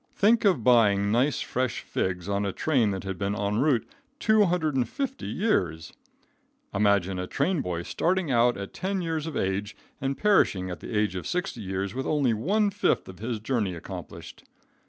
Think of buying nice fresh figs on a train that had been en route 250 years! Imagine a train boy starting out at ten years of age, and perishing at the age of 60 years with only one fifth of his journey accomplished.